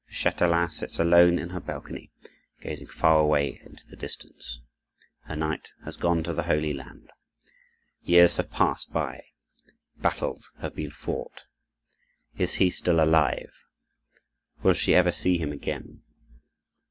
"The châtelaine sits alone on her balcony, gazing far away into the distance. Her knight has gone to the Holy Land. Years have passed by, battles have been fought. Is he still alive? Will she ever see him again?